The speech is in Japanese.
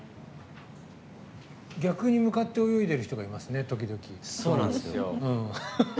逆に向かって泳いでる人がいますね、時々。